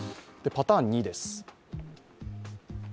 パターン２です。